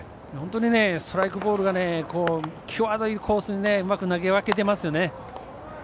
本当にストライク、ボールが際どいコースにうまく投げ分けていますね。